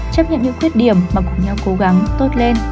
chấp nhận những khuyết điểm mà cùng nhau cố gắng tốt lên